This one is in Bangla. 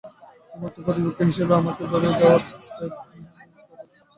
তোমার তো প্রতিপক্ষ হিসেবে আমাকে ধরিয়ে দেয়া টাইপ কিছু করার কথা?